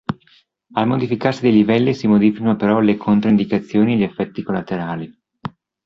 Al modificarsi dei livelli si modificano però le controindicazioni e gli effetti collaterali.